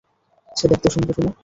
সে দেখতে সুন্দরি না?